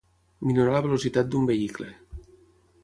Minorar la velocitat d'un vehicle.